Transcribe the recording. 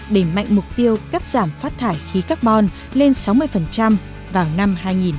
để mạnh mục tiêu cắt giảm phát thải khí carbon lên sáu mươi vào năm hai nghìn ba mươi